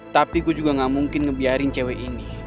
tapi gue juga gak mungkin ngebiarin cewek ini